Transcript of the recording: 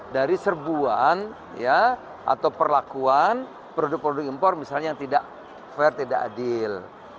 dari serbuan ya atau perlakuan produk produk impor misalnya yang tidak fair tidak adil